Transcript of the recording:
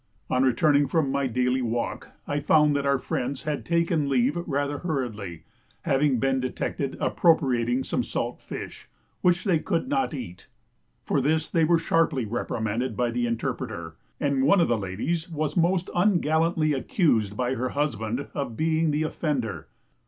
On returning from my daily walk, I found that our friends had taken leave rather hurriedly, having been detected appropriating some salt fish, which they could not eat. For this they were sharply reprimanded by the interpreter, and one of the ladies was most ungallantly accused by her husband of being the offender.